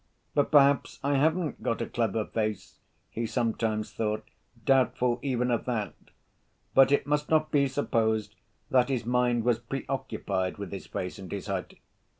"But perhaps I haven't got a clever face?" he sometimes thought, doubtful even of that. But it must not be supposed that his mind was preoccupied with his face and his height.